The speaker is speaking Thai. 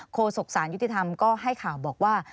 โศกสารยุติธรรมก็ให้ข่าวบอกว่า